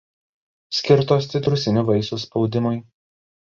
Skirtos citrusinių vaisių spaudimui.